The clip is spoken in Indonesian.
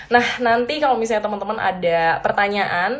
nah nanti kalau misalnya teman teman ada pertanyaan